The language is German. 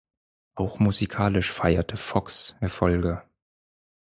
Auch musikalisch feierte Foxx Erfolge.